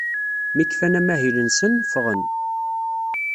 Mi kfan amahil-nsen, ffɣen.